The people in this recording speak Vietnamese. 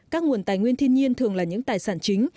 các nguồn tài nguyên thiên nhiên thường là những tài sản chính